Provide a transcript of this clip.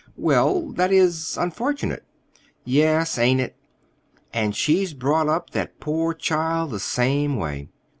"Well, that is—unfortunate." "Yes, ain't it? And she's brought up that poor child the same way.